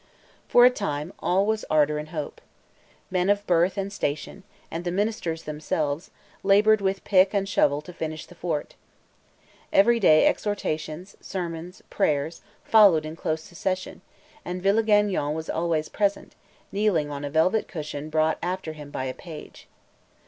For a time all was ardor and hope. Men of birth and station, and the ministers themselves, labored with pick and shovel to finish the fort. Every day exhortations, sermons, prayers, followed in close succession, and Villegagnon was always present, kneeling on a velvet cushion brought after him by a page.